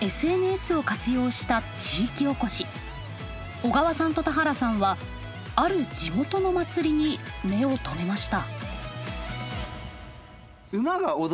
小川さんと田原さんはある地元の祭りに目を留めました。